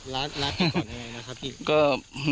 ล้านปีก่อนยังไงนะครับพี่